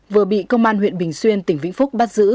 vừa bị công an huyện bình xuyên tỉnh vĩnh phúc bắt giữ